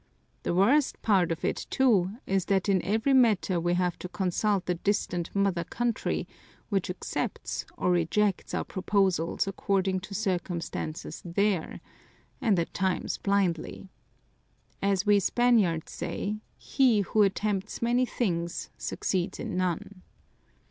The worst part of it too is that in every matter we have to consult the distant mother country, which accepts or rejects our proposals according to circumstances there and at times blindly. As we Spaniards say, 'He who attempts many things succeeds in none.'